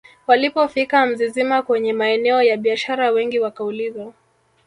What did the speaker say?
walipofika Mzizima kwenye maeneo ya biashara wengi wakauliza